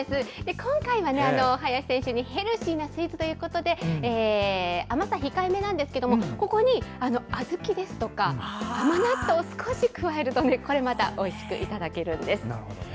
今回は林選手にヘルシーなスイーツということで、甘さ控えめなんですけれども、ここに小豆ですとか、甘納豆を少し加えるとね、これまたおいしく頂けるんです。